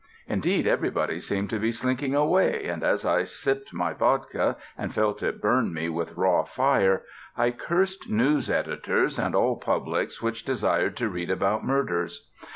Indeed, everybody seemed to be slinking away, and as I sipped my vodka, and felt it burn me with raw fire, I cursed news editors and all publics which desired to read about murders.